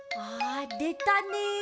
あでたね。